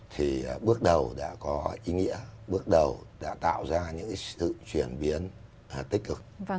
thì bước đầu đã có ý nghĩa bước đầu đã tạo ra những sự chuyển biến tích cực